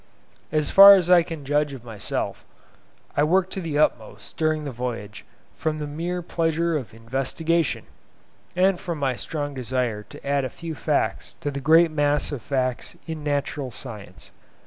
As far as I can judge of myself, I worked to the utmost during the voyage from the mere pleasure of investigation, and from my strong desire to add a few facts to the great mass of facts in Natural Science.